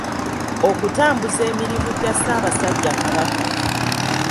Okutambuza emirimu gya Ssaabasajja Kabaka .